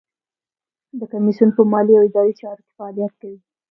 د کمیسیون په مالي او اداري چارو کې فعالیت کوي.